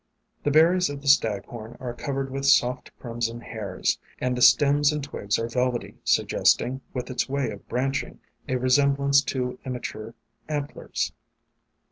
The berries of the Staghorn are covered with soft crimson hairs, and the stems and twigs are velvety, suggesting, with its way of branching, a resemblance to immature antlers.